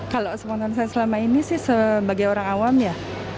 kalau sepotong saya selama ini sih sebagai orang awam ya